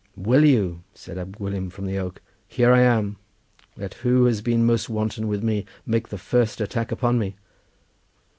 "'Will you?' said Ab Gwilym from the oak; 'here I am! let her who has been most wanton with me make the first attack upon me!